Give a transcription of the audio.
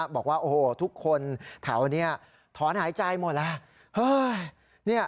บอกว่าโอ้โหทุกคนแถวนี้ถอนหายใจหมดแล้ว